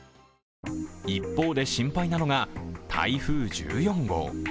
一方で心配なのが台風１４号。